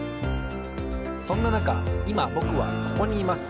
そんななかいまぼくはここにいます。